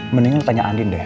mending lo tanya andin deh